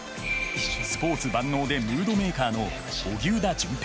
スポーツ万能でムードメーカーの荻生田隼平。